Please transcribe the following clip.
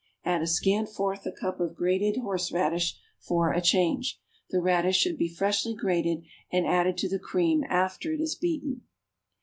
Add a scant fourth a cup of grated horseradish, for a change. The radish should be freshly grated, and added to the cream after it is beaten.